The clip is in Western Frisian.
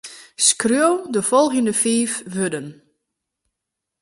Skriuw de folgjende fiif wurden.